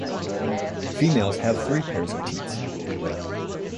Females have three pairs of teats.